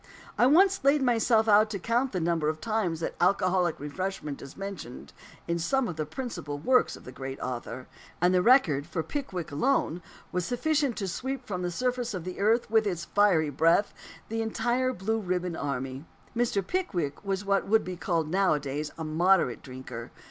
I once laid myself out to count the number of times that alcoholic refreshment is mentioned in some of the principal works of the great author; and the record, for Pickwick alone, was sufficient to sweep from the surface of the earth, with its fiery breath, the entire Blue Ribbon Army. Mr. Pickwick was what would be called nowadays a "moderate drinker."